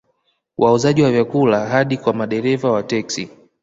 Wauzaji wa vyakula hadi kwa madereva wa teksi